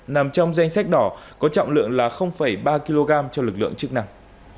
nằm trong danh sách đỏ có trọng lượng là ba kg cho lực lượng chức năng